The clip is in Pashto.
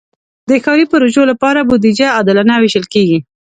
د ښاري پروژو لپاره بودیجه عادلانه ویشل کېږي.